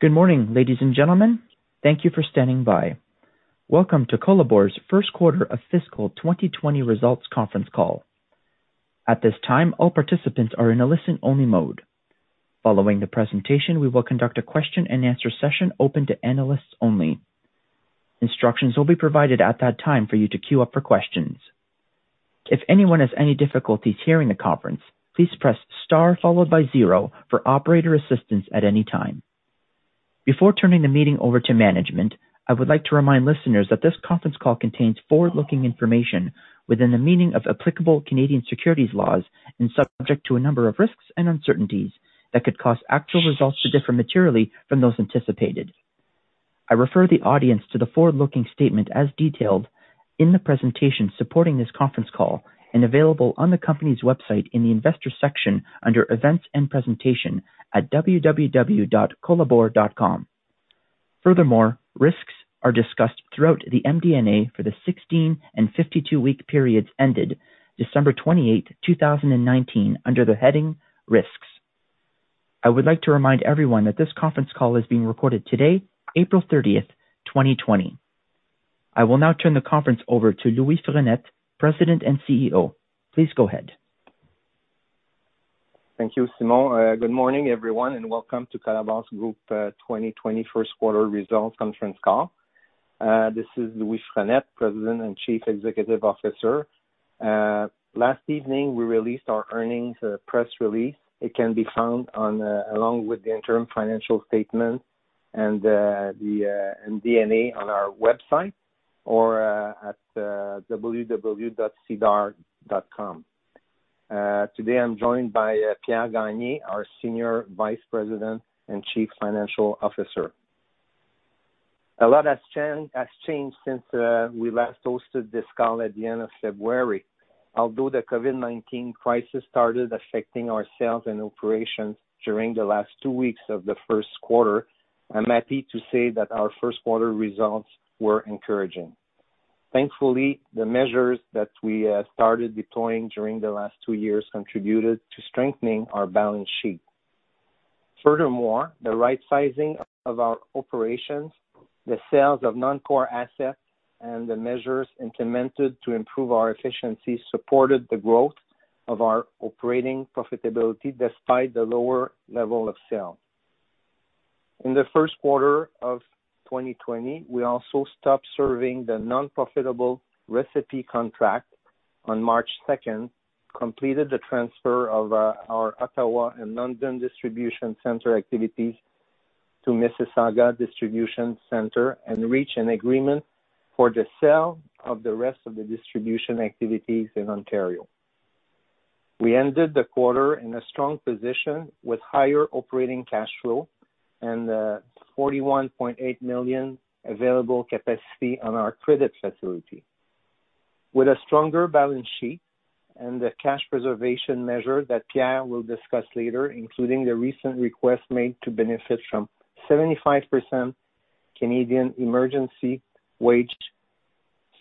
Good morning, ladies and gentlemen. Thank you for standing by. Welcome to Colabor's first quarter of fiscal 2020 results conference call. At this time, all participants are in a listen-only mode. Following the presentation, we will conduct a question and answer session open to analysts only. Instructions will be provided at that time for you to queue up for questions. If anyone has any difficulties hearing the conference, please press star followed by zero for operator assistance at any time. Before turning the meeting over to management, I would like to remind listeners that this conference call contains forward-looking information within the meaning of applicable Canadian securities laws and subject to a number of risks and uncertainties that could cause actual results to differ materially from those anticipated. I refer the audience to the forward-looking statement as detailed in the presentation supporting this conference call and available on the company's website in the investor section under Events and Presentation at www.colabor.com. Furthermore, risks are discussed throughout the MD&A for the 16 and 52-week periods ended December 28th, 2019, under the heading Risks. I would like to remind everyone that this conference call is being recorded today, April 30th, 2020. I will now turn the conference over to Louis Frenette, President and CEO. Please go ahead. Thank you, Simon. Good morning, everyone, welcome to Colabor Group 2020 first quarter results conference call. This is Louis Frenette, President and Chief Executive Officer. Last evening, we released our earnings press release. It can be found along with the interim financial statement and the MD&A on our website or at SEDAR.com. Today, I'm joined by Pierre Gagné, our Senior Vice President and Chief Financial Officer. A lot has changed since we last hosted this call at the end of February. Although the COVID-19 crisis started affecting our sales and operations during the last two weeks of the first quarter, I'm happy to say that our first quarter results were encouraging. Thankfully, the measures that we started deploying during the last two years contributed to strengthening our balance sheet. The right sizing of our operations, the sales of non-core assets, and the measures implemented to improve our efficiency supported the growth of our operating profitability despite the lower level of sale. In the first quarter of 2020, we also stopped serving the non-profitable Recipe contract on March 2nd, completed the transfer of our Ottawa and London distribution center activities to Mississauga distribution center and reached an agreement for the sale of the rest of the distribution activities in Ontario. We ended the quarter in a strong position with higher operating cash flow and 41.8 million available capacity on our credit facility. With a stronger balance sheet and the cash preservation measure that Pierre will discuss later, including the recent request made to benefit from 75% Canada Emergency Wage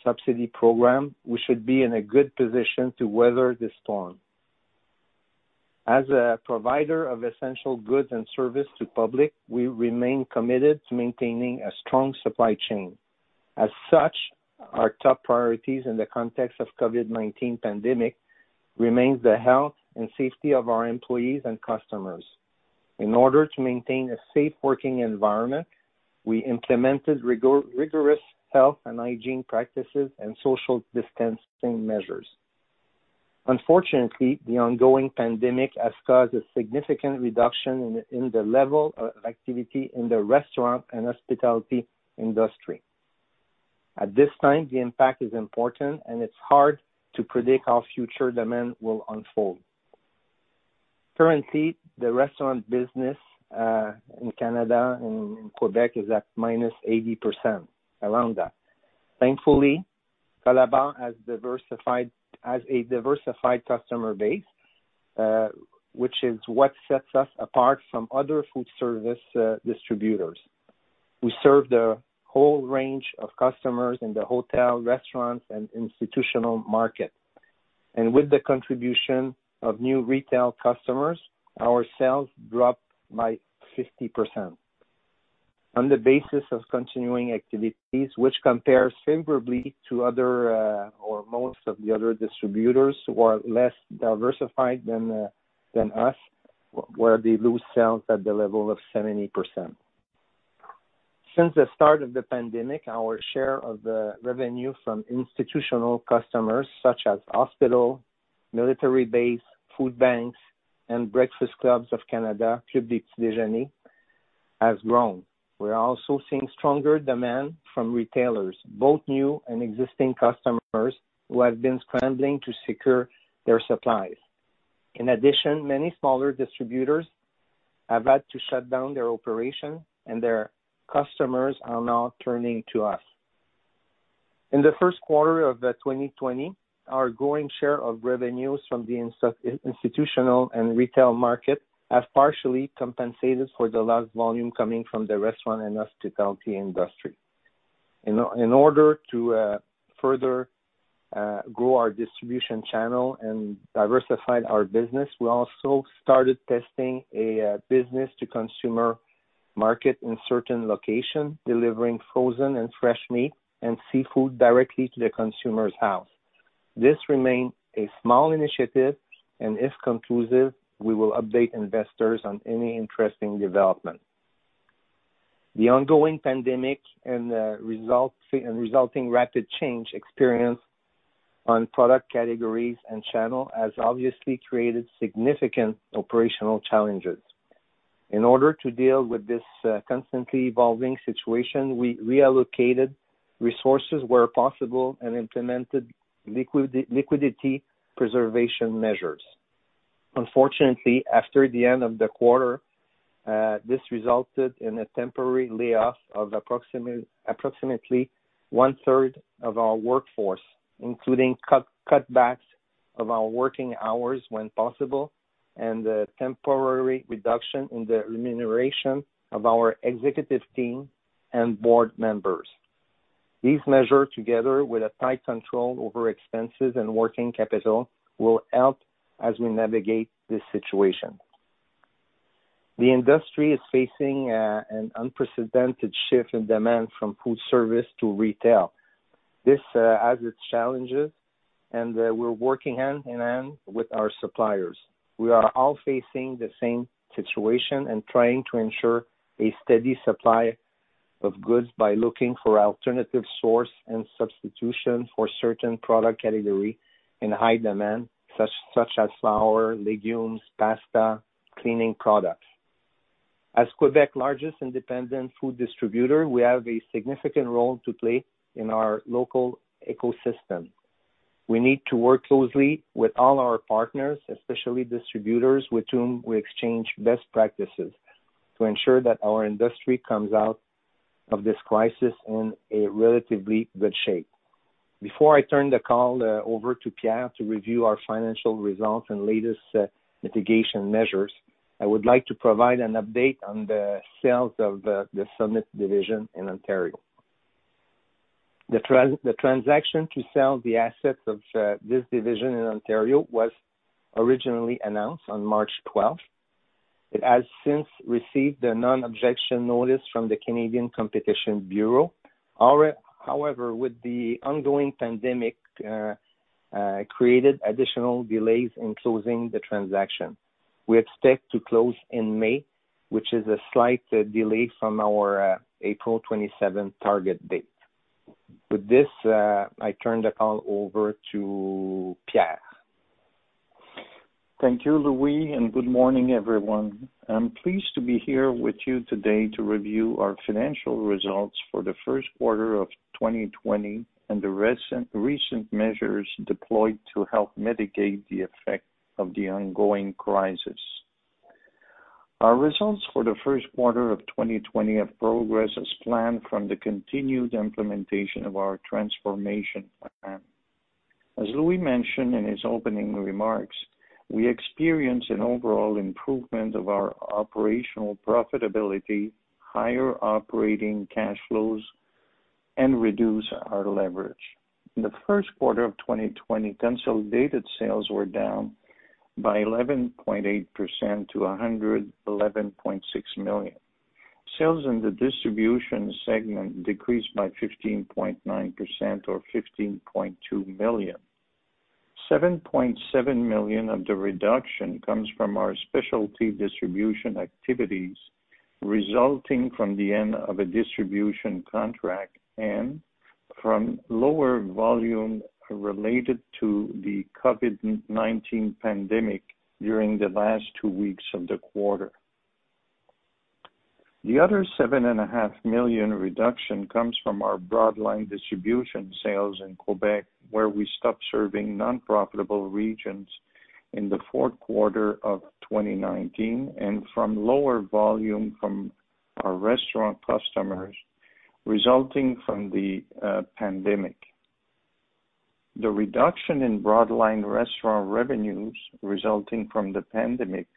Subsidy program, we should be in a good position to weather this storm. As a provider of essential goods and service to public, we remain committed to maintaining a strong supply chain. Our top priorities in the context of COVID-19 pandemic remains the health and safety of our employees and customers. In order to maintain a safe working environment, we implemented rigorous health and hygiene practices and social distancing measures. Unfortunately, the ongoing pandemic has caused a significant reduction in the level of activity in the restaurant and hospitality industry. At this time, the impact is important, and it's hard to predict how future demand will unfold. Currently, the restaurant business, in Canada and in Quebec is at -80%, around that. Thankfully, Colabor has a diversified customer base, which is what sets us apart from other food service distributors. We serve the whole range of customers in the hotel, restaurants, and institutional market. With the contribution of new retail customers, our sales dropped by 50%. On the basis of continuing activities, which compares favorably to other or most of the other distributors who are less diversified than us, where they lose sales at the level of 70%. Since the start of the pandemic, our share of the revenue from institutional customers such as hospitals, military bases, food banks, and Breakfast Club of Canada, Club des petits déjeuners, has grown. We're also seeing stronger demand from retailers, both new and existing customers, who have been scrambling to secure their supplies. In addition, many smaller distributors have had to shut down their operation, and their customers are now turning to us. In the first quarter of 2020, our growing share of revenues from the institutional and retail market have partially compensated for the lost volume coming from the restaurant and hospitality industry. In order to further grow our distribution channel and diversify our business, we also started testing a business-to-consumer market in certain locations, delivering frozen and fresh meat and seafood directly to the consumer's house. This remains a small initiative, and if conclusive, we will update investors on any interesting development. The ongoing pandemic and the resulting rapid change experience on product categories and channel has obviously created significant operational challenges. In order to deal with this constantly evolving situation, we reallocated resources where possible and implemented liquidity preservation measures. Unfortunately, after the end of the quarter, this resulted in a temporary layoff of approximately one-third of our workforce, including cutbacks of our working hours when possible, and a temporary reduction in the remuneration of our executive team and board members. These measures, together with a tight control over expenses and working capital, will help as we navigate this situation. The industry is facing an unprecedented shift in demand from food service to retail. This has its challenges, and we're working hand in hand with our suppliers. We are all facing the same situation and trying to ensure a steady supply of goods by looking for alternative sources and substitution for certain product categories in high demand, such as flour, legumes, pasta, cleaning products. As Quebec largest independent food distributor, we have a significant role to play in our local ecosystem. We need to work closely with all our partners, especially distributors, with whom we exchange best practices to ensure that our industry comes out of this crisis in a relatively good shape. Before I turn the call over to Pierre to review our financial results and latest mitigation measures, I would like to provide an update on the sales of the Summit division in Ontario. The transaction to sell the assets of this division in Ontario was originally announced on March 12th. It has since received a non-objection notice from the Canadian Competition Bureau. However, with the ongoing pandemic, created additional delays in closing the transaction. We expect to close in May, which is a slight delay from our April 27th target date. With this, I turn the call over to Pierre. Thank you, Louis. Good morning, everyone. I'm pleased to be here with you today to review our financial results for the first quarter of 2020 and the recent measures deployed to help mitigate the effect of the ongoing crisis. Our results for the first quarter of 2020 have progress as planned from the continued implementation of our transformation plan. As Louis mentioned in his opening remarks, we experience an overall improvement of our operational profitability, higher operating cash flows, and reduce our leverage. In the first quarter of 2020, consolidated sales were down by 11.8% to 111.6 million. Sales in the distribution segment decreased by 15.9% or 15.2 million. 7.7 million of the reduction comes from our specialty distribution activities, resulting from the end of a distribution contract and from lower volume related to the COVID-19 pandemic during the last two weeks of the quarter. The other 7.5 million reduction comes from our broadline distribution sales in Quebec, where we stopped serving non-profitable regions in the fourth quarter of 2019 and from lower volume from our restaurant customers resulting from the pandemic. The reduction in broadline restaurant revenues resulting from the pandemic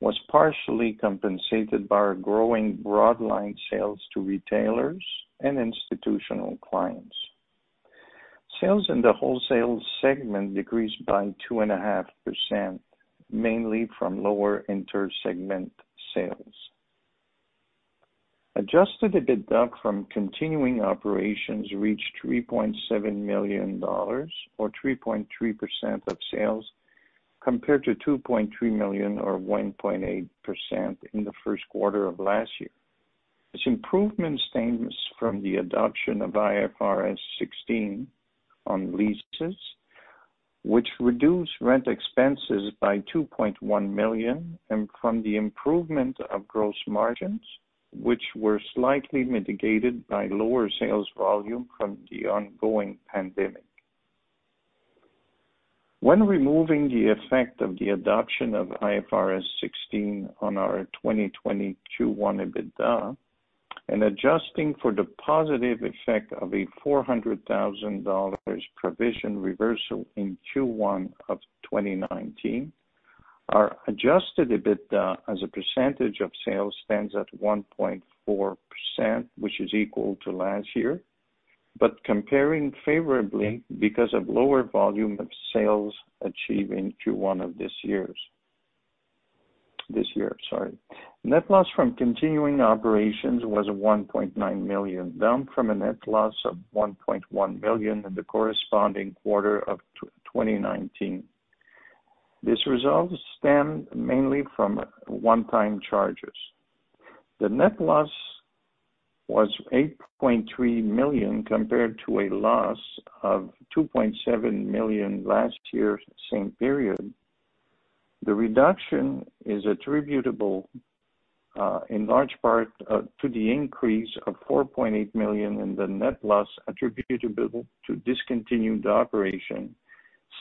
was partially compensated by our growing broadline sales to retailers and institutional clients. Sales in the wholesale segment decreased by 2.5%, mainly from lower inter-segment sales. Adjusted EBITDA from continuing operations reached 3.7 million dollars or 3.3% of sales compared to 2.3 million or 1.8% in the first quarter of last year. This improvement stems from the adoption of IFRS 16 on leases, which reduced rent expenses by 2.1 million and from the improvement of gross margins, which were slightly mitigated by lower sales volume from the ongoing pandemic. When removing the effect of the adoption of IFRS 16 on our 2020 Q1 EBITDA and adjusting for the positive effect of a 400,000 dollars provision reversal in Q1 of 2019. Our adjusted EBITDA as a percentage of sales stands at 1.4%, which is equal to last year, but comparing favorably because of lower volume of sales achieved in Q1 of this year. Net loss from continuing operations was 1.9 million, down from a net loss of 1.1 million in the corresponding quarter of 2019. This result stemmed mainly from one-time charges. The net loss was 8.3 million compared to a loss of 2.7 million last year's same period. The reduction is attributable in large part to the increase of 4.8 million in the net loss attributable to discontinued operation,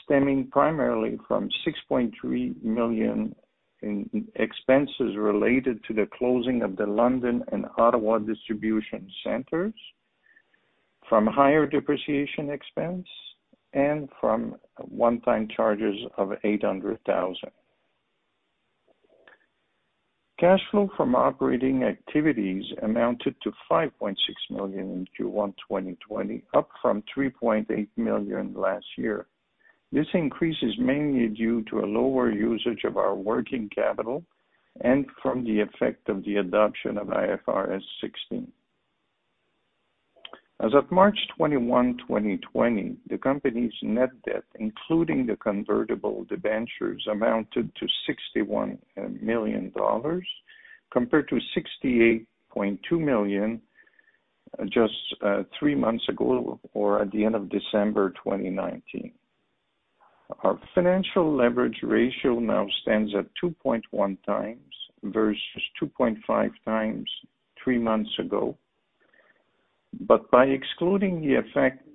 stemming primarily from 6.3 million in expenses related to the closing of the London and Ottawa distribution centers, from higher depreciation expense, and from one-time charges of 800,000. Cash flow from operating activities amounted to 5.6 million in Q1 2020, up from 3.8 million last year. This increase is mainly due to a lower usage of our working capital and from the effect of the adoption of IFRS 16. As of March 21, 2020, the company's net debt, including the convertible debentures, amounted to 61 million dollars, compared to 68.2 million just three months ago, or at the end of December 2019. Our financial leverage ratio now stands at 2.1x versus 2.5x three months ago. By excluding the effect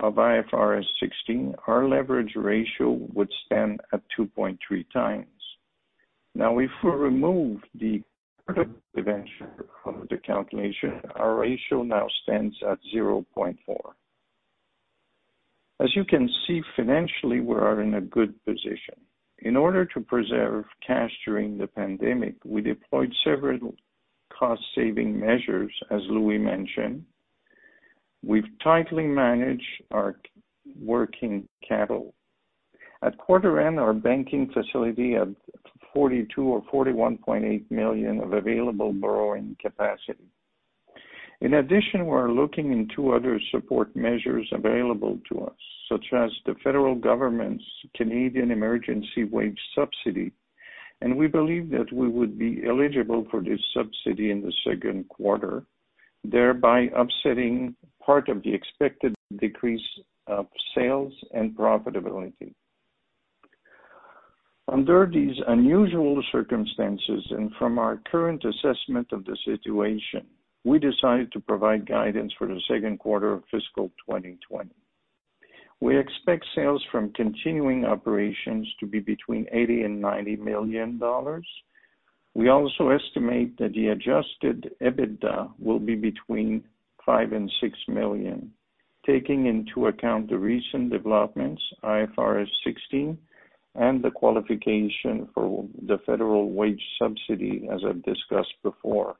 of IFRS 16, our leverage ratio would stand at 2.3x. If we remove the debenture from the calculation, our ratio now stands at 0.4x. As you can see, financially, we are in a good position. In order to preserve cash during the pandemic, we deployed several cost-saving measures, as Louis mentioned. We've tightly managed our working capital. At quarter end, our banking facility of 42 million or 41.8 million of available borrowing capacity. In addition, we're looking into other support measures available to us, such as the federal government's Canada Emergency Wage Subsidy, and we believe that we would be eligible for this subsidy in the second quarter, thereby offsetting part of the expected decrease of sales and profitability. Under these unusual circumstances and from our current assessment of the situation, we decided to provide guidance for the second quarter of fiscal 2020. We expect sales from continuing operations to be between 80 million and 90 million dollars. We also estimate that the adjusted EBITDA will be between 5 million and 6 million, taking into account the recent developments, IFRS 16, and the qualification for the federal wage subsidy, as I've discussed before.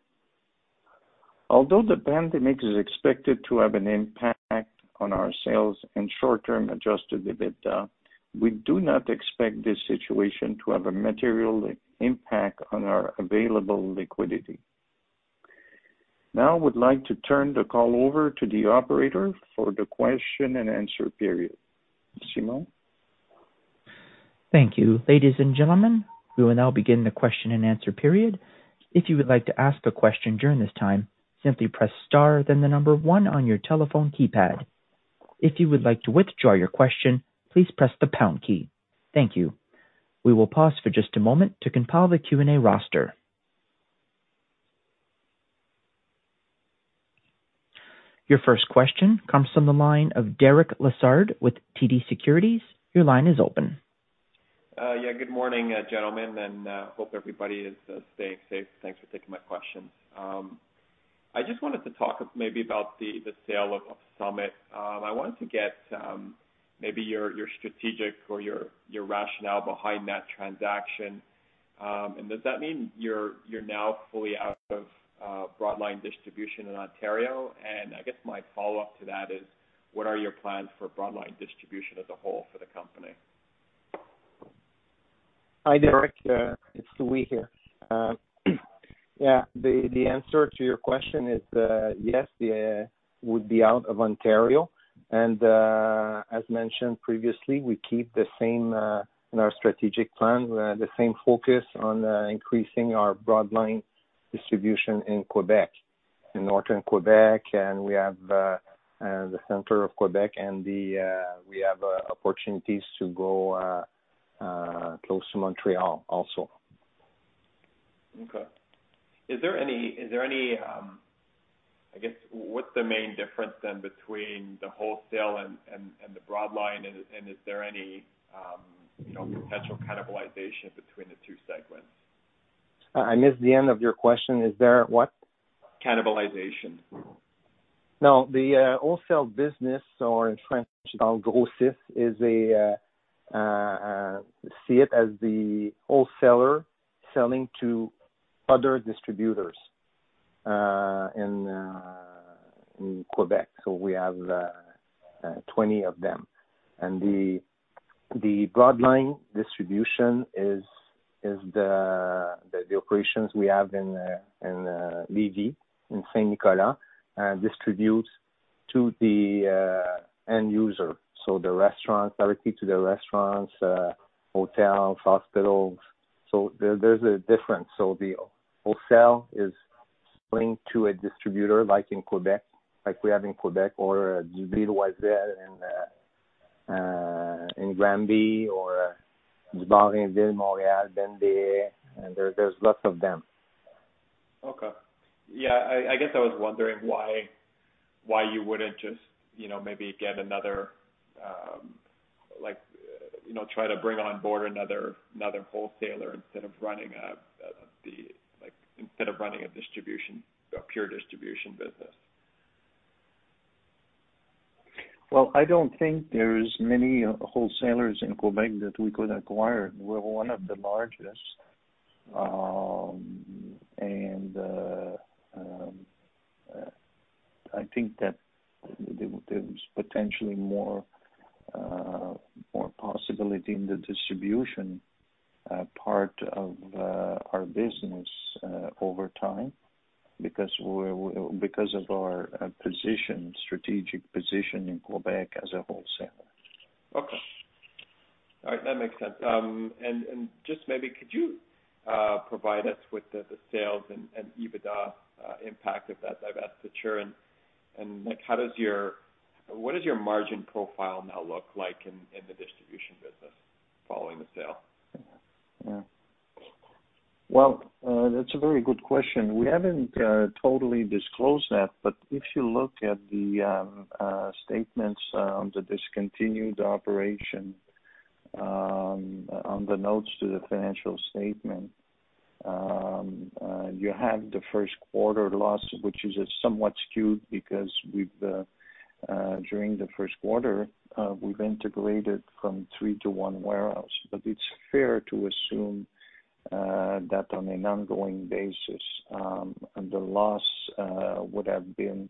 Although the pandemic is expected to have an impact on our sales and short-term adjusted EBITDA, we do not expect this situation to have a material impact on our available liquidity. I would like to turn the call over to the operator for the question and answer period. Simon? Thank you. Ladies and gentlemen, we will now begin the question and answer period. If you would like to ask a question during this time, simply press star, then the number one on your telephone keypad. If you would like to withdraw your question, please press the pound key. Thank you. We will pause for just a moment to compile the Q&A roster. Your first question comes from the line of Derek Lessard with TD Securities. Your line is open. Yeah. Good morning, gentlemen, hope everybody is staying safe. Thanks for taking my questions. I just wanted to talk maybe about the sale of Summit. I wanted to get maybe your strategic or your rationale behind that transaction. Does that mean you're now fully out of broadline distribution in Ontario? I guess my follow-up to that is, what are your plans for broadline distribution as a whole for the company? Hi, Derek. It's Louis here. The answer to your question is, yes, we would be out of Ontario. As mentioned previously, we keep the same in our strategic plan, the same focus on increasing our broadline distribution in Quebec. In northern Quebec, we have the center of Quebec, we have opportunities to go close to Montreal also. Okay. I guess what's the main difference then between the wholesale and the broadline, and is there any potential cannibalization between the two? I missed the end of your question. Is there what? Cannibalization. The wholesale business or in French, see it as the wholesaler selling to other distributors in Quebec. We have 20 of them. The broadline distribution is the operations we have in Lévis in Saint-Nicolas distributes to the end user. Directly to the restaurants, hotels, hospitals. There's a difference. The wholesale is selling to a distributor like in Quebec, like we have in Quebec or Dubé & Loiselle in Granby, there's lots of them. Okay. Yeah, I guess I was wondering why you wouldn't just maybe try to bring on board another wholesaler instead of running a pure distribution business? Well, I don't think there's many wholesalers in Quebec that we could acquire. We're one of the largest. I think that there's potentially more possibility in the distribution part of our business over time because of our strategic position in Quebec as a wholesaler. Okay. All right. That makes sense. Just maybe could you provide us with the sales and EBITDA impact of that divestiture and what does your margin profile now look like in the distribution business following the sale? Yeah. Well, that's a very good question. We haven't totally disclosed that, but if you look at the statements on the discontinued operation, on the notes to the financial statement, you have the first quarter loss, which is somewhat skewed because during the first quarter, we've integrated from three to one warehouse. It's fair to assume that on an ongoing basis, the loss would have been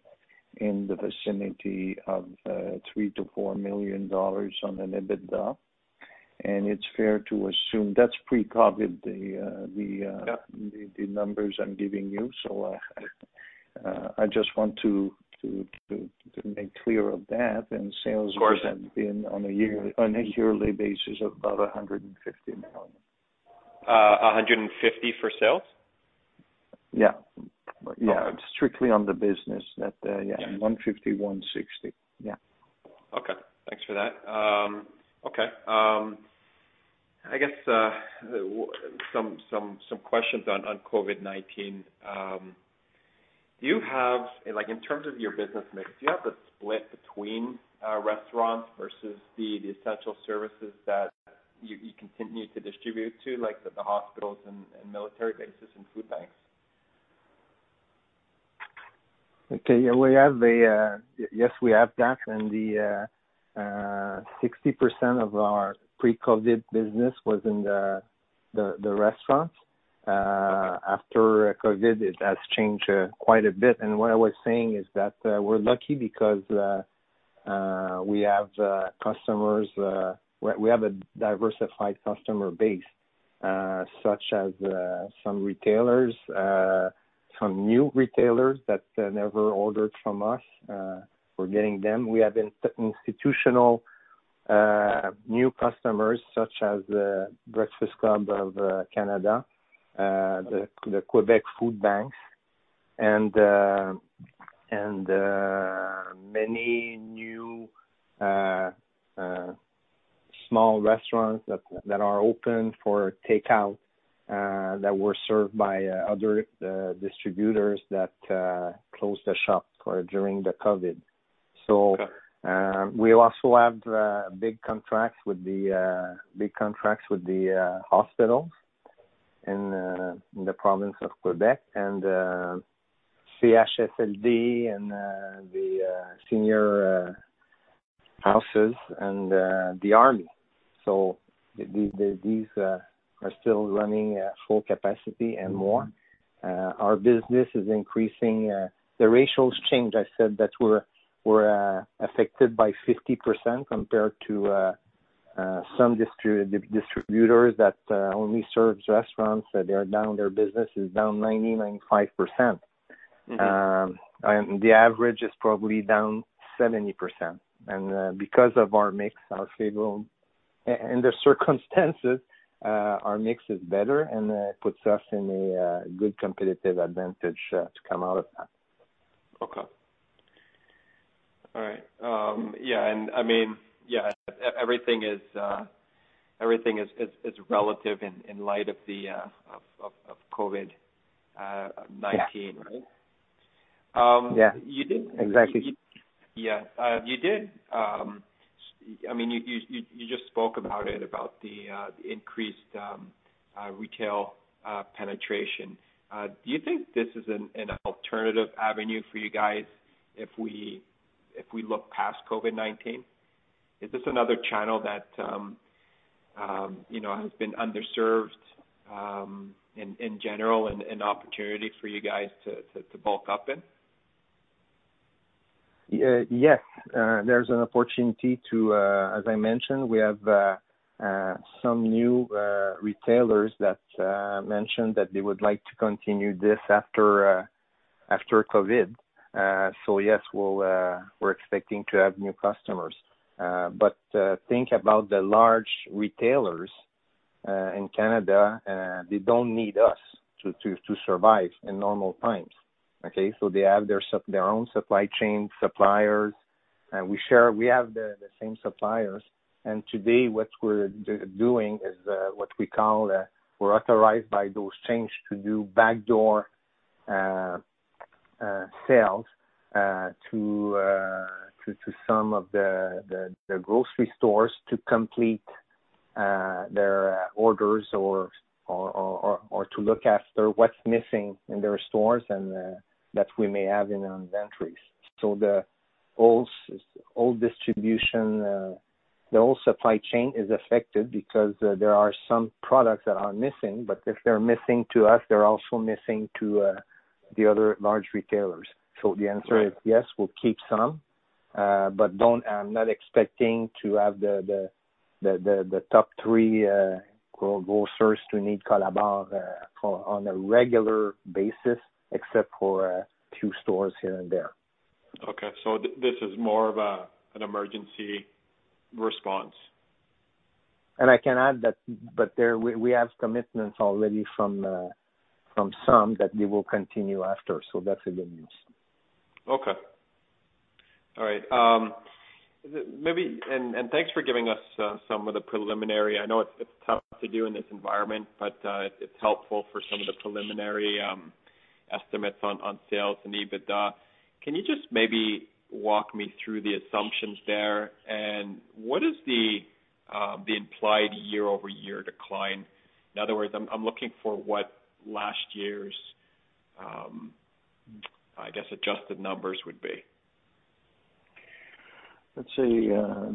in the vicinity of 3 million-4 million dollars on an EBITDA. It's fair to assume that's pre-COVID. the numbers I'm giving you. I just want to make clear of that. Of course. have been on a yearly basis of about 150 million. 150 for sales? Yeah. Okay. Strictly on the business that, yeah, 150 million, 160 million. Yeah. Okay. Thanks for that. Okay. I guess, some questions on COVID-19. In terms of your business mix, do you have a split between restaurants versus the essential services that you continue to distribute to, like the hospitals and military bases and food banks? Okay. Yes, we have that, and the 60% of our pre-COVID business was in the restaurants. After COVID, it has changed quite a bit. What I was saying is that, we're lucky because we have a diversified customer base, such as some retailers, some new retailers that never ordered from us. We're getting them. We have institutional new customers such as Breakfast Club of Canada, the Quebec food banks, and many new small restaurants that are open for takeout, that were served by other distributors that closed their shops during the COVID. We also have big contracts with the hospitals in the province of Quebec and the CHSLD and the senior houses and the army. These are still running at full capacity and more. Our business is increasing. The ratios change. I said that we're affected by 50% compared to some distributors that only serve restaurants. Their business is down 90%, 95%. The average is probably down 70%. Because of our mix, under circumstances, our mix is better, and it puts us in a good competitive advantage to come out of that. Okay. All right. Yeah. Everything is relative in light of COVID-19, right? Yeah. You did- Exactly. Yeah. You just spoke about it, about the increased retail penetration. Do you think this is an alternative avenue for you guys, if we look past COVID-19? Is this another channel that has been underserved in general, and an opportunity for you guys to bulk up in? Yes. As I mentioned, we have some new retailers that mentioned that they would like to continue this after COVID-19. Yes, we're expecting to have new customers. Think about the large retailers in Canada. They don't need us to survive in normal times. Okay. They have their own supply chain suppliers. We have the same suppliers. Today, what we call, we're authorized by those chains to do backdoor sales to some of the grocery stores to complete their orders or to look after what's missing in their stores, and that we may have in our inventories. The whole supply chain is affected because there are some products that are missing. If they're missing to us, they're also missing to the other large retailers. The answer is yes, we'll keep some. I'm not expecting to have the top three grocers to need Colabor on a regular basis, except for a few stores here and there. Okay. This is more of an emergency response. I can add that we have commitments already from some that they will continue after, so that's the good news. Okay. All right. Thanks for giving us some of the preliminary. I know it's tough to do in this environment, but it's helpful for some of the preliminary estimates on sales and EBITDA. Can you just maybe walk me through the assumptions there? What is the implied year-over-year decline? In other words, I'm looking for what last year's, I guess, adjusted numbers would be.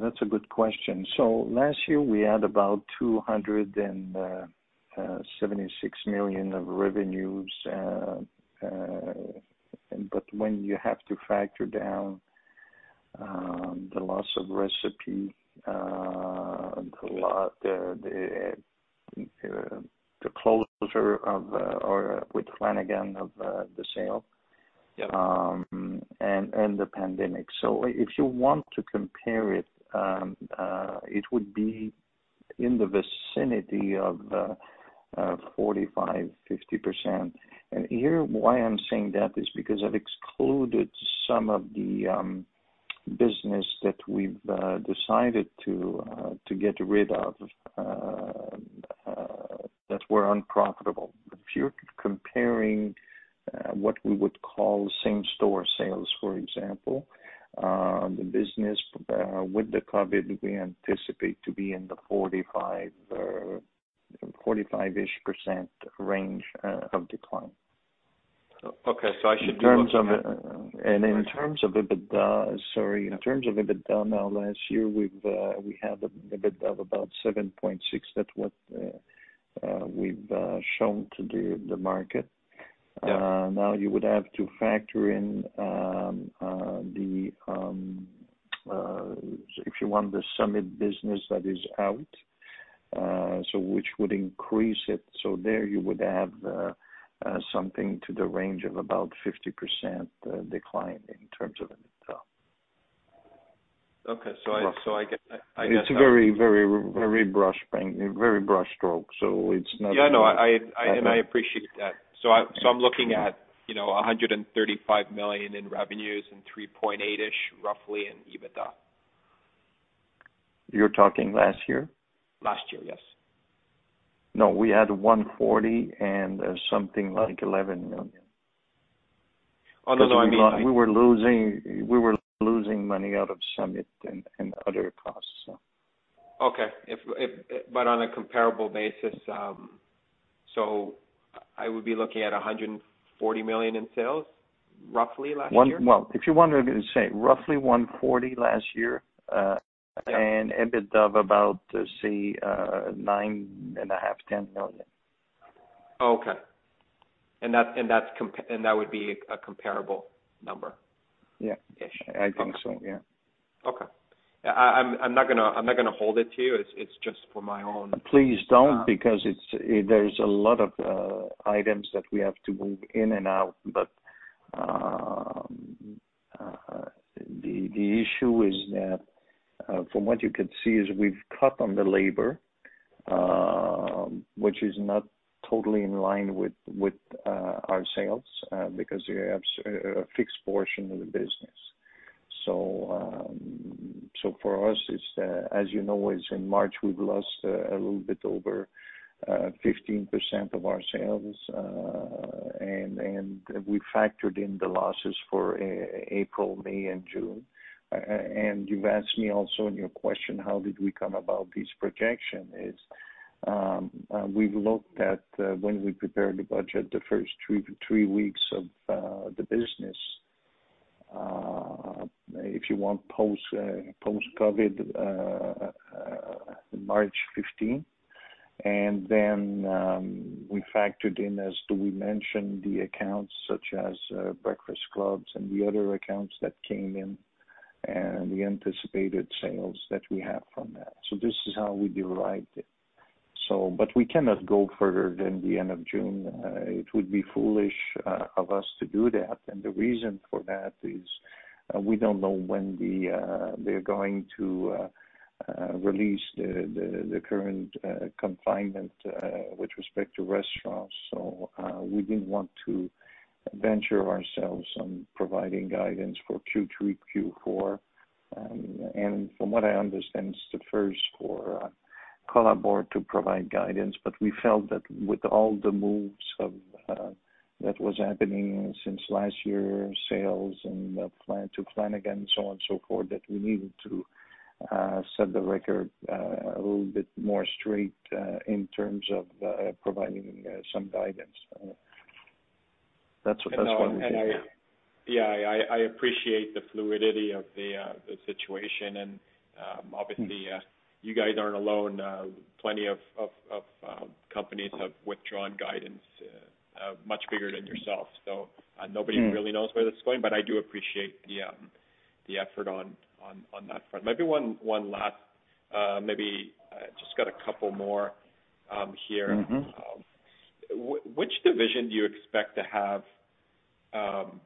That's a good question. Last year, we had about 276 million of revenues. When you have to factor down the loss of Recipe, the closure with Flanagan of the sale- Yep and the pandemic. If you want to compare it would be in the vicinity of 45%-50%. Here, why I'm saying that is because I've excluded some of the business that we've decided to get rid of, that were unprofitable. If you're comparing what we would call same-store sales, for example, the business with the COVID, we anticipate to be in the 45%-ish range of decline. Okay. In terms of EBITDA, now last year, we had an EBITDA of about 7.6 million. That's what we've shown to the market. Yeah. You would have to factor in, if you want the Summit business that is out, so which would increase it. There, you would have something to the range of about 50% decline in terms of EBITDA. Okay. I get that. It's very brush stroke. Yeah, no, and I appreciate that. I'm looking at 135 million in revenues and 3.8-ish, roughly in EBITDA. You're talking last year? Last year, yes. No, we had 140 and something like 11 million. Although, I mean- We were losing money out of Summit and other costs. Okay. On a comparable basis, so I would be looking at 140 million in sales, roughly last year? Well, if you want me to say, roughly 140 million last year. Yeah EBITDA of about, say, 9.5 Million, CAD 10 million. Okay. That would be a comparable number? Yeah.I think so. Yeah. Okay. I'm not going to hold it to you. Please don't, because there's a lot of items that we have to move in and out. The issue is that, from what you can see, is we've cut on the labor, which is not totally in line with our sales, because you have a fixed portion of the business For us, as you know, in March, we've lost a little bit over 15% of our sales. We factored in the losses for April, May, and June. You've asked me also in your question, how did we come about this projection is, we've looked at when we prepared the budget, the first three weeks of the business, if you want post-COVID, March 15. Then we factored in, as we mentioned, the accounts such as Breakfast Clubs and the other accounts that came in, and the anticipated sales that we have from that. This is how we derived it. We cannot go further than the end of June. It would be foolish of us to do that. The reason for that is we don't know when they're going to release the current confinement with respect to restaurants. We didn't want to venture ourselves on providing guidance for Q3, Q4. From what I understand, it's the first for Colabor to provide guidance. We felt that with all the moves that was happening since last year, sales and plan to plan again, so on so forth, that we needed to set the record a little bit more straight in terms of providing some guidance. That's as far as we can. I appreciate the fluidity of the situation and, obviously, you guys aren't alone. Plenty of companies have withdrawn guidance, much bigger than yourselves. Nobody really knows where that's going, but I do appreciate the effort on that front. Maybe just got a couple more here. Which division do you expect to have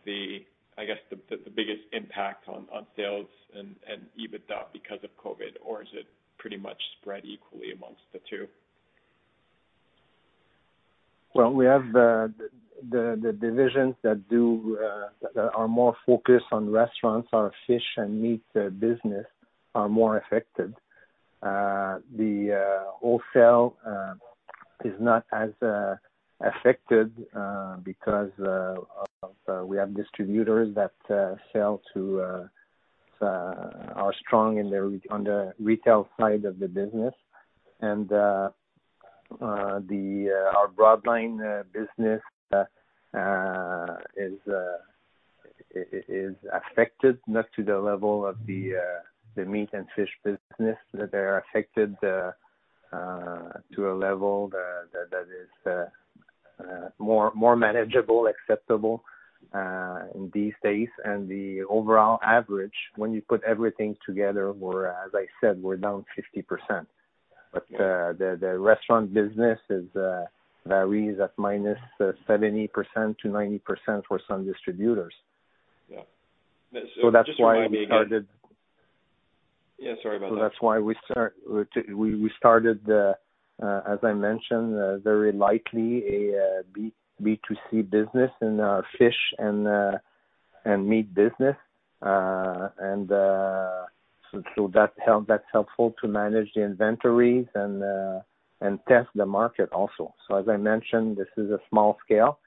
the, I guess, the biggest impact on sales and EBITDA because of COVID? Is it pretty much spread equally amongst the two? Well, we have the divisions that are more focused on restaurants, our fish and meat business are more affected. The wholesale is not as affected because we have distributors that sell to are strong on the retail side of the business. Our broadline business is affected, not to the level of the meat and fish business. They are affected to a level that is more manageable, acceptable in these days. The overall average, when you put everything together, as I said, we're down 50%. The restaurant business varies at minus 70% to 90% for some distributors. Yeah. Just remind me again. That's why we started. Yeah, sorry about that. That's why we started, as I mentioned, very lightly a B2C business in our fish and meat business. That's helpful to manage the inventories and test the market also. As I mentioned, this is a small scale.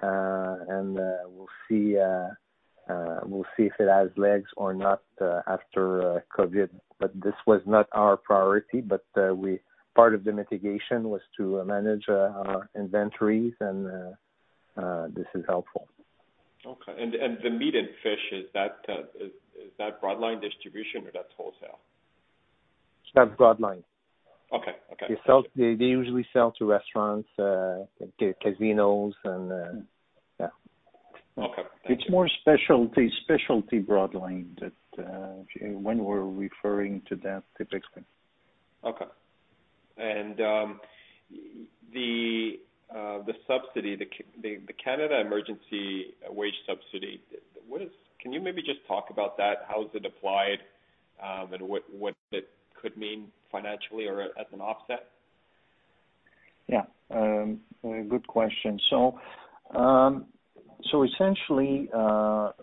We'll see if it has legs or not after COVID. This was not our priority, but part of the mitigation was to manage our inventories, and this is helpful. Okay. The meat and fish, is that broadline distribution or that's wholesale? It's not broadline. Okay. They usually sell to restaurants, casinos, and yeah. Okay. Thank you. It's more specialty broadline when we're referring to that typically. Okay. The subsidy, the Canada Emergency Wage Subsidy, can you maybe just talk about that? How is it applied, and what it could mean financially or as an offset? Yeah. Good question. Essentially, in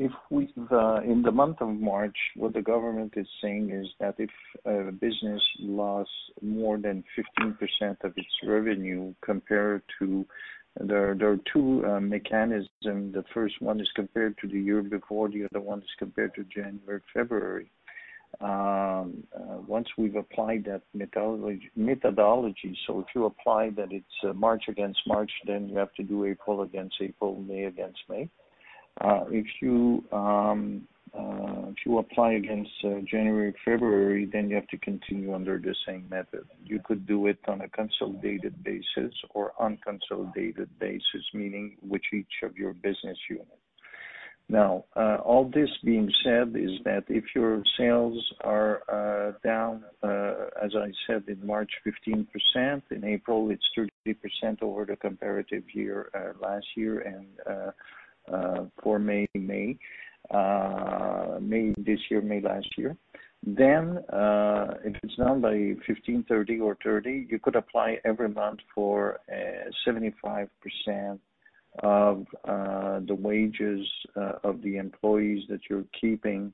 the month of March, what the government is saying is that if a business lost more than 15% of its revenue. There are two mechanisms. The first one is compared to the year before, the other one is compared to January, February. Once we've applied that methodology, so if you apply that it's March against March, then you have to do April against April, May against May. If you apply against January, February, then you have to continue under the same method. You could do it on a consolidated basis or unconsolidated basis, meaning with each of your business units. Now, all this being said, is that if your sales are down, as I said, in March 15%, in April, it's 30% over the comparative year last year, and for May this year, May last year. If it's down by 15%, 30% or 30%, you could apply every month for 75% of the wages of the employees that you're keeping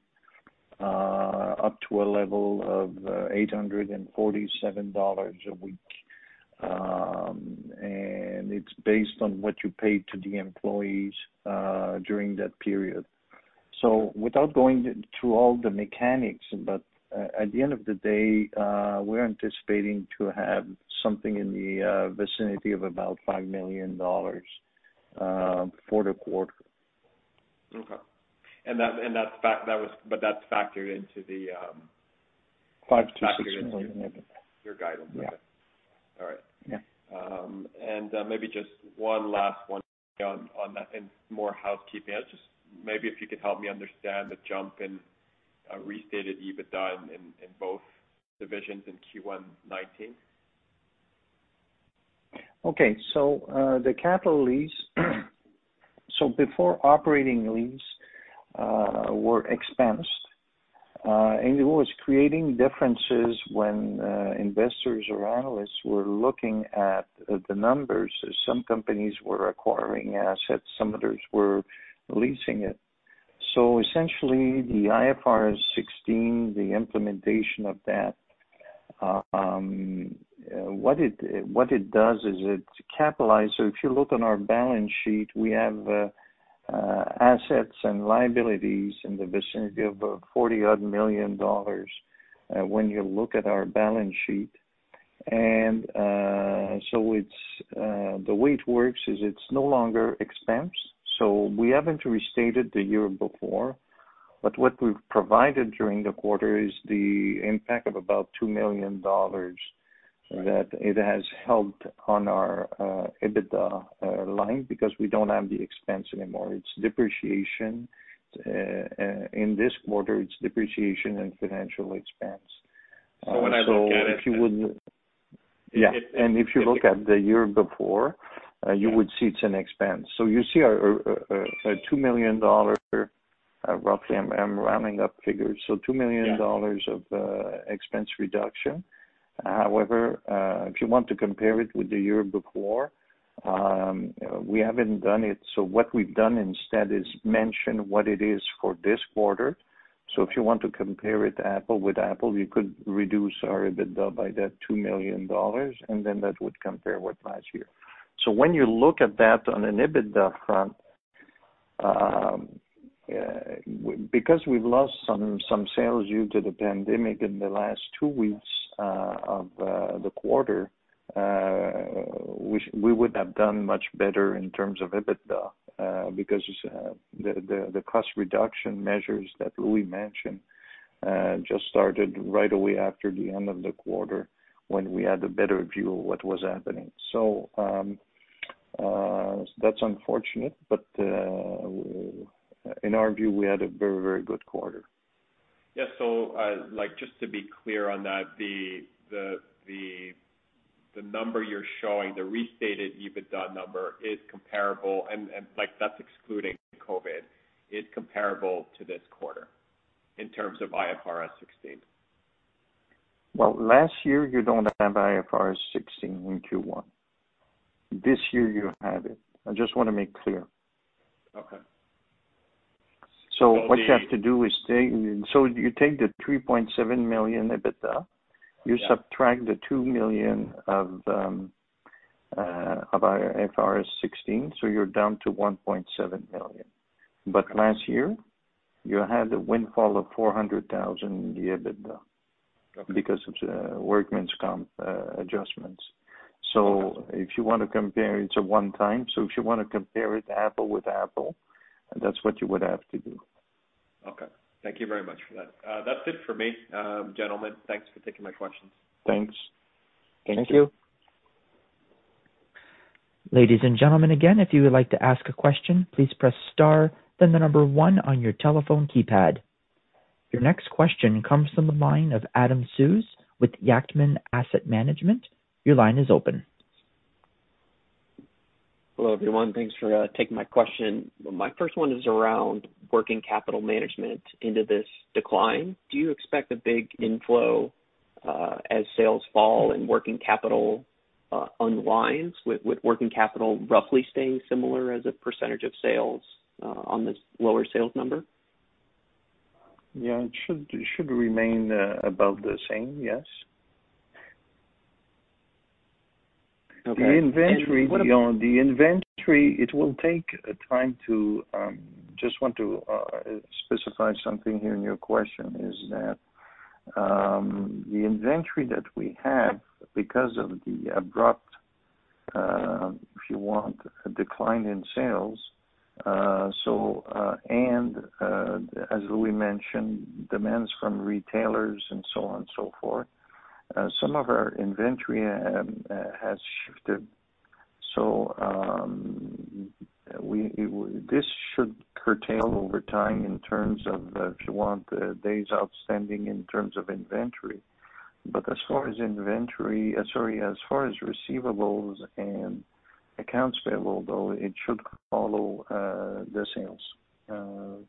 up to a level of 847 dollars a week. It's based on what you paid to the employees during that period. Without going through all the mechanics, but at the end of the day, we're anticipating to have something in the vicinity of about 5 million dollars for the quarter. Okay. That's factored into the- 5 million-6 million EBITDA factored into your guidance. Yeah. All right. Yeah. Maybe just one last one on that, and more housekeeping. Maybe if you could help me understand the jump in restated EBITDA in both divisions in Q1 2019. Okay. Before operating lease were expensed, and it was creating differences when investors or analysts were looking at the numbers. Some companies were acquiring assets, some others were leasing it. Essentially, the IFRS 16, the implementation of that, what it does is it capitalize. If you look on our balance sheet, we have assets and liabilities in the vicinity of about 40 odd million, when you look at our balance sheet. The way it works is it's no longer expense. We haven't restated the year before, but what we've provided during the quarter is the impact of about 2 million dollars that it has helped on our EBITDA line because we don't have the expense anymore. It's depreciation. In this quarter, it's depreciation and financial expense. When I look at it. Yeah. If you look at the year before, you would see it's an expense. You see a 2 million dollar, roughly, I'm rounding up figures. Yeah of expense reduction. If you want to compare it with the year before, we haven't done it. What we've done instead is mention what it is for this quarter. If you want to compare it apple with apple, you could reduce our EBITDA by that 2 million dollars, and then that would compare with last year. When you look at that on an EBITDA front, because we've lost some sales due to the pandemic in the last two weeks of the quarter, we would have done much better in terms of EBITDA. The cost reduction measures that Louis mentioned just started right away after the end of the quarter when we had a better view of what was happening. That's unfortunate, but in our view, we had a very good quarter. Yeah. Just to be clear on that, the number you're showing, the restated EBITDA number is comparable and that's excluding COVID, is comparable to this quarter in terms of IFRS 16? Well, last year you don't have IFRS 16 in Q1. This year you have it. I just want to make clear. Okay. What you have to do is take the 3.7 million EBITDA. Yeah you subtract the 2 million of IFRS 16, so you're down to 1.7 million. last year, you had a windfall of 400,000 in the EBITDA. Okay because of the workman's comp adjustments. If you want to compare, it's a one-time. If you want to compare it apple with apple, that's what you would have to do. Okay. Thank you very much for that. That's it for me. Gentlemen, thanks for taking my questions. Thanks. Thank you. Ladies and gentlemen, again, if you would like to ask a question, please press star then the number 1 on your telephone keypad. Your next question comes from the line of Adam Sues with Yacktman Asset Management. Your line is open. Hello, everyone. Thanks for taking my question. My first one is around working capital management into this decline. Do you expect a big inflow as sales fall and working capital unwinds with working capital roughly staying similar as a percentage of sales on this lower sales number? Yeah, it should remain about the same. Yes. Okay. The inventory, Just want to specify something here in your question, is that the inventory that we have, because of the abrupt, if you want, decline in sales. As Louis mentioned, demands from retailers and so on and so forth, some of our inventory has shifted. This should curtail over time in terms of, if you want, the days outstanding in terms of inventory. As far as receivables and accounts payable, though, it should follow the sales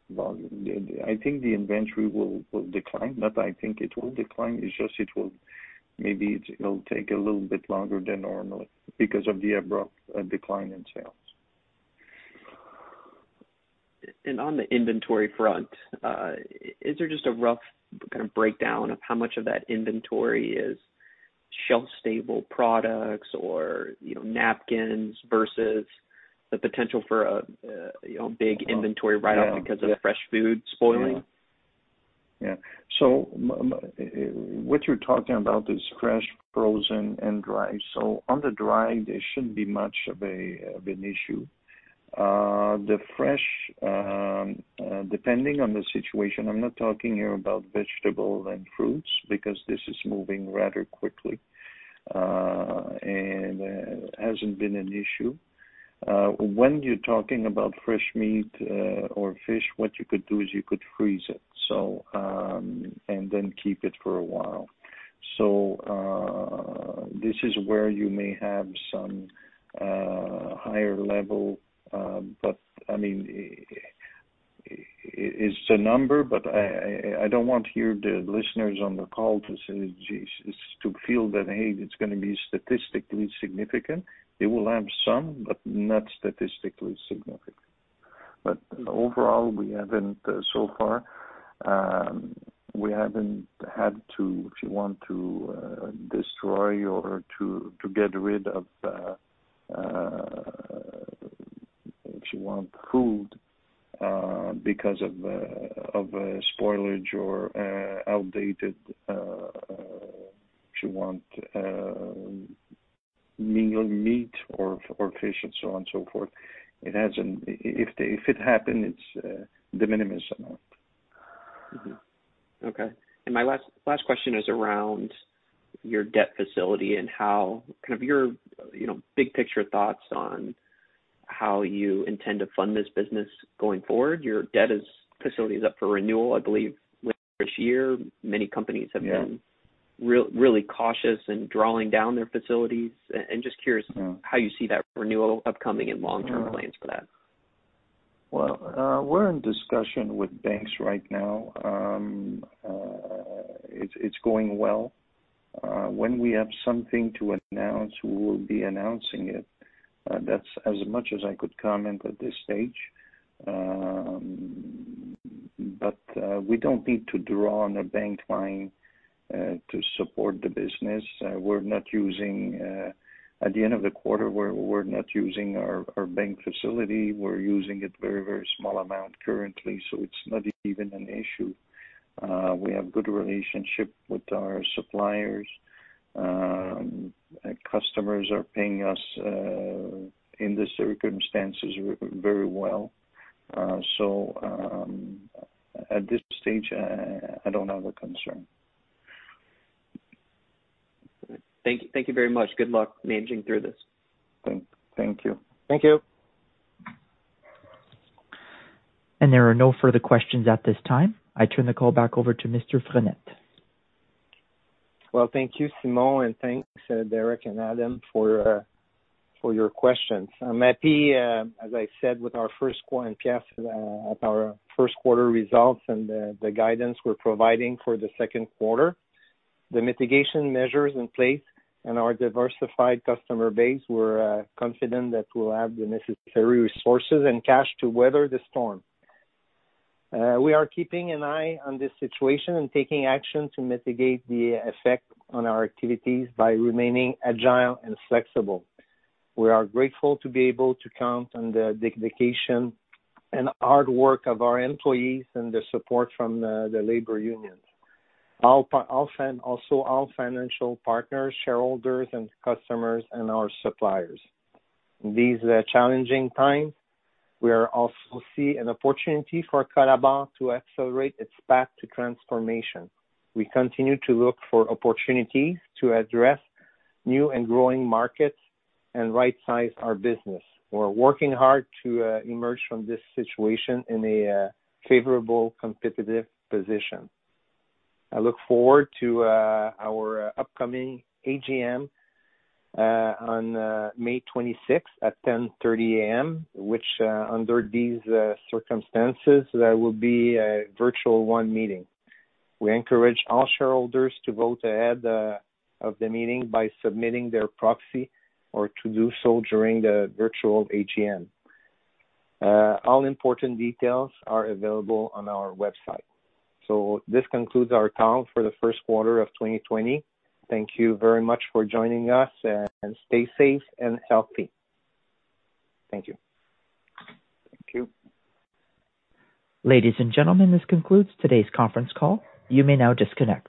volume. I think the inventory will decline, but it's just Maybe it'll take a little bit longer than normal because of the abrupt decline in sales. On the inventory front, is there just a rough kind of breakdown of how much of that inventory is shelf-stable products or napkins versus the potential for a big inventory write-off because of fresh food spoiling? Yeah. What you're talking about is fresh, frozen, and dry. On the dry, there shouldn't be much of an issue. The fresh, depending on the situation, I'm not talking here about vegetables and fruits, because this is moving rather quickly, and it hasn't been an issue. When you're talking about fresh meat or fish, what you could do is you could freeze it, and then keep it for a while. This is where you may have some higher level. I mean, it's a number, but I don't want here the listeners on the call to feel that, hey, it's going to be statistically significant. It will have some, but not statistically significant. Overall, we haven't so far had to, if you want to destroy or to get rid of, if you want, food, because of spoilage or outdated meat or fish and so on and so forth. If it happened, it's de minimis amount. Okay. My last question is around your debt facility and how your big picture thoughts on how you intend to fund this business going forward. Your debt facility is up for renewal, I believe, later this year. Many companies have been. Yeah really cautious in drawing down their facilities. Just curious. Yeah how you see that renewal upcoming and long-term plans for that? Well, we're in discussion with banks right now. It's going well. When we have something to announce, we will be announcing it. That's as much as I could comment at this stage. We don't need to draw on a bank line to support the business. At the end of the quarter, we're not using our bank facility. We're using it very small amount currently, so it's not even an issue. We have good relationship with our suppliers. Customers are paying us, in the circumstances, very well. At this stage, I don't have a concern. Thank you very much. Good luck managing through this. Thank you. Thank you. There are no further questions at this time. I turn the call back over to Mr. Frenette. Well, thank you, Simon, and thanks, Derek and Adam, for your questions. I'm happy, as I said, with our first quarter results and the guidance we're providing for the second quarter. The mitigation measures in place and our diversified customer base, we're confident that we'll have the necessary resources and cash to weather the storm. We are keeping an eye on this situation and taking action to mitigate the effect on our activities by remaining agile and flexible. We are grateful to be able to count on the dedication and hard work of our employees and the support from the labor unions, also our financial partners, shareholders, and customers, and our suppliers. In these challenging times, we also see an opportunity for Colabor to accelerate its path to transformation. We continue to look for opportunities to address new and growing markets and rightsize our business. We're working hard to emerge from this situation in a favorable competitive position. I look forward to our upcoming AGM on May 26th at 10:30 A.M., which, under these circumstances, that will be a virtual one meeting. We encourage all shareholders to vote ahead of the meeting by submitting their proxy or to do so during the virtual AGM. All important details are available on our website. This concludes our call for the first quarter of 2020. Thank you very much for joining us, and stay safe and healthy. Thank you. Thank you. Ladies and gentlemen, this concludes today's conference call. You may now disconnect.